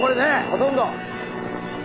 ほとんど。